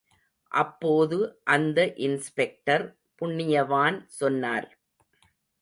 அப்போது அந்த இன்ஸ்பெக்டர் புண்யவான் சொன்னார்.